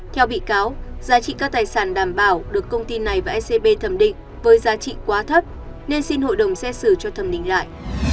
theo bị cáo giá trị các tài sản đảm bảo được công ty này và ecb thẩm định với giá trị quá thấp nên xin hội đồng xét xử cho thẩm định lại